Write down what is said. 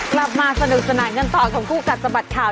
กลับมาสนุกสนานกันต่อกับคู่กัดสะบัดข่าว